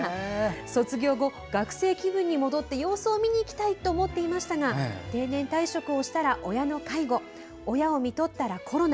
卒業後、学生気分に戻って様子を見に行きたいと思っていましたが定年退職したら、親の介護親をみとったらコロナ。